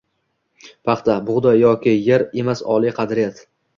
Paxta, bug‘doy yoki yer emas oliy qadriyat